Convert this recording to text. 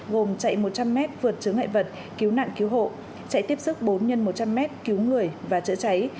gồm chạy một trăm linh m vượt chứng hại vật cứu nạn cứu hộ chạy tiếp xúc bốn x một trăm linh m